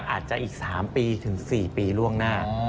อาจจะอีก๓๔ปีล่วงหน้า